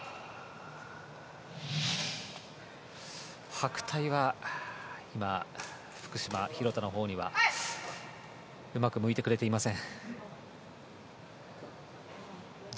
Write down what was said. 白帯は今福島、廣田のほうにはうまく向いてくれていません。